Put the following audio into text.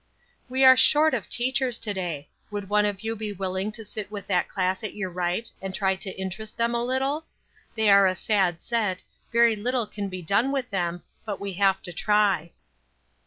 "We are short of teachers to day; would one of you be willing to sit with that class at your right, and try to interest them a little? They are a sad set; very little can be done with them, but we have to try."